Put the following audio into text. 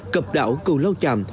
cập đảo cầu lâu chàm